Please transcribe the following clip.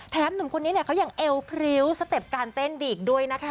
หนุ่มคนนี้เนี่ยเขายังเอวพริ้วสเต็ปการเต้นอีกด้วยนะคะ